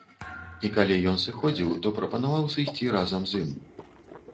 І калі ён сыходзіў, то прапанаваў сысці разам з ім.